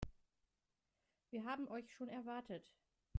Wir haben euch schon erwartet.